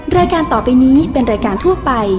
รายการต่อไปนี้เป็นรายการทั่วไป